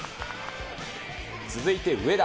続いて上田。